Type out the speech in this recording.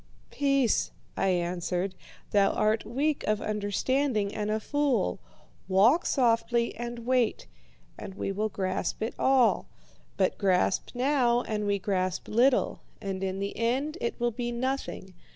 "'Peace!' I answered, 'thou art weak of understanding and a fool. Walk softly and wait, and we will grasp it all. But grasp now, and we grasp little, and in the end it will be nothing.